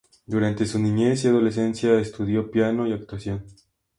Durante su niñez y adolescencia estudió piano y actuación.